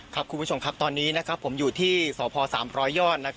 คุณผู้ชมครับตอนนี้ผมอยู่ที่สพ๓๐๐ยอด